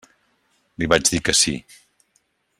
Li vaig dir que sí.